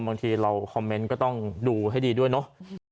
บางทีเราคอมเมนต์ก็ต้องดูให้ดีด้วยเนอะ